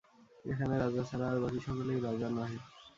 এখানে রাজা ছাড়া আর বাকি সকলেই রাজা নহে।